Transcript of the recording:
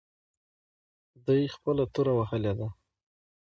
دوی خپله توره وهلې ده.